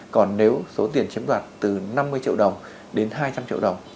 còn nếu số tiền chiếm đoạt từ năm mươi triệu đồng đến hai trăm linh triệu đồng